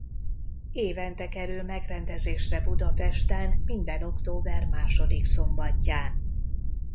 Évente kerül megrendezésre Budapesten minden október második szombatján.